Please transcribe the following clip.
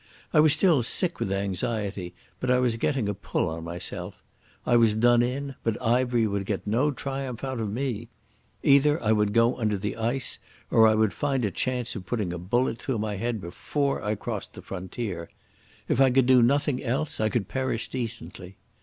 I was still sick with anxiety, but I was getting a pull on myself. I was done in, but Ivery would get no triumph out of me. Either I would go under the ice, or I would find a chance of putting a bullet through my head before I crossed the frontier. If I could do nothing else I could perish decently....